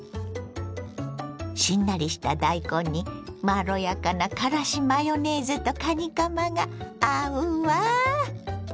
しんなりした大根にまろやかなからしマヨネーズとかにかまが合うわ。